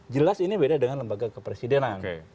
jelas ini beda dengan lembaga kepresidenan